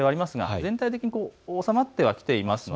全体的には収まってきています。